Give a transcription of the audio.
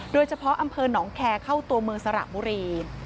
โดยเฉพาะอำเภอหนองแคร์เข้าตัวเมืองสระบุรี